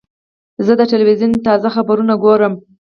زه د تلویزیون تازه خبرونه ګورم.